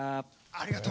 ありがとう。